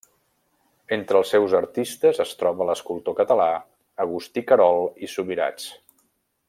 Entre els seus artistes es troba l'escultor català Agustí Querol i Subirats.